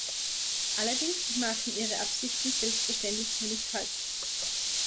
Allerdings machen ihre Absichten selbstverständlich hier nicht Halt.